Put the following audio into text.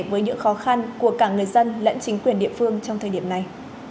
với những khó khăn của cả người dân lẫn chính quyền địa phương trong thời điểm này